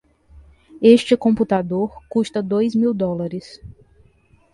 Este computador custa dois mil dólares.